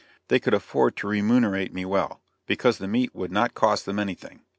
They could afford to remunerate me well, because the meat would not cost them anything.